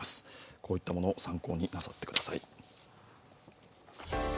こういったものを参考になさってください。